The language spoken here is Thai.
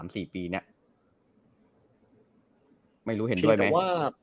๓๔ปีนี้ไม่รู้เห็นด้วยไหม